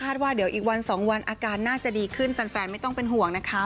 ว่าเดี๋ยวอีกวันสองวันอาการน่าจะดีขึ้นแฟนไม่ต้องเป็นห่วงนะคะ